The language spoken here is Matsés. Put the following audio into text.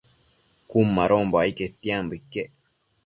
Cun madonbo ai quetianbo iquec